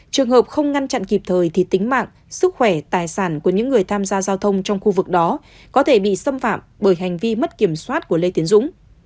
trường hợp không ngăn chặn kịp thời thì tính mạng sức khỏe tài sản của những người tham gia giao thông trong khu vực đó có thể bị xâm phạm bởi hành vi mất kiểm soát của lê tiến dũng